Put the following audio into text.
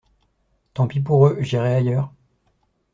Tant pis pour eux, j'irai ailleurs.